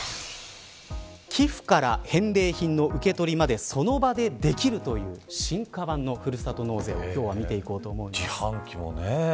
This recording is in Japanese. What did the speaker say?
寄付から返礼品の受け取りまでその場でできるという進化版のふるさと納税を今日は見ていこうと思います。